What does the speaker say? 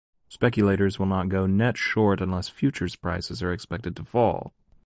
Speculators will not go net short unless futures prices are expected to fall.